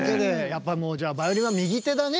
やっぱもうじゃあバイオリンは右手だね